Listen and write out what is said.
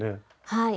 はい。